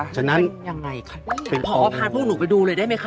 อย่างไรคะผอก็พาพวกหนูไปดูเลยได้มั้ยคะ